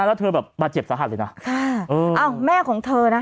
แล้วเธอแบบบาดเจ็บสาหัสเลยนะค่ะเอออ้าวแม่ของเธอนะ